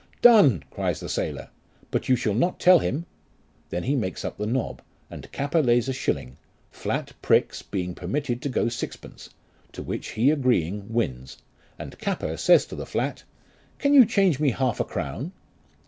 Done, cries the sailor, but you shall not tell him ; then he makes up the nob, and capper lays a shilling ; flat pricks, being permitted to go sixpence ; to which he agreeing, wins ; and capper says to the flat, Can you change me half a crown